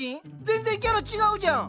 全然キャラ違うじゃん。